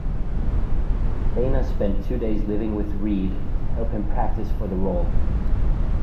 Bana spent two days living with Read to help him practise for the role.